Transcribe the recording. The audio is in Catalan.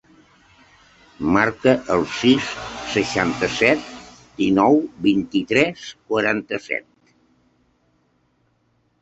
Marca el sis, seixanta-set, dinou, vint-i-tres, quaranta-set.